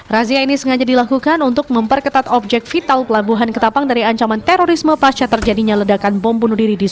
razia ini sengaja dilakukan untuk memperketat objek vital pelabuhan ketapang dari ancaman terorisme pasca terjadinya ledakan bom bunuh diri